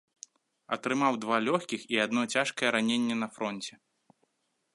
Атрымаў два лёгкіх і адно цяжкае раненне на фронце.